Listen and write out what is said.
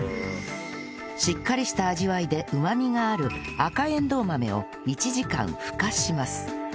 しっかりした味わいでうまみがある赤えんどう豆を１時間ふかします